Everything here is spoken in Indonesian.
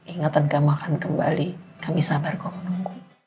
ingatan kamu akan kembali kami sabar kok menunggu